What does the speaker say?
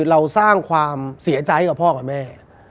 เราสร้างความเสียใจกับพ่อกับแม่